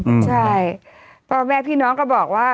ใช่พ่อแม่พี่น้องก็บอกว่า